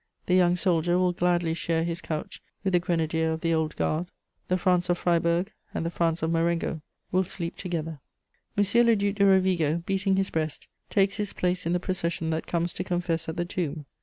The young soldier will gladly share his couch with the grenadier of the Old Guard: the France of Freiburg and the France of Marengo will sleep together. [Sidenote: Enter the Duc de Rovigo.] M. le Duc de Rovigo, beating his breast, takes his place in the procession that comes to confess at the tomb.